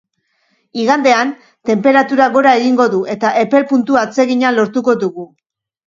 Igandean, tenperaturak gora egingo du eta epel puntu atsegina lortuko dugu.